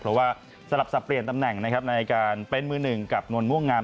เพราะว่าสลับสับเปลี่ยนตำแหน่งนะครับในการเป็นมือหนึ่งกับนวลม่วงงาม